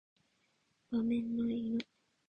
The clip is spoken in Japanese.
馬面の犬